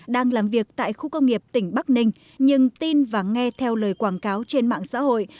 đang làm việc tại khu công nghiệp tỉnh bắc ninh nhưng tin và nghe theo lời quảng cáo trên mạng xã hội